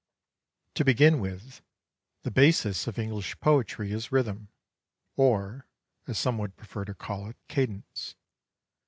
To begin with, the basis of English poetry is rhythm, or, as some would prefer to call it, cadence.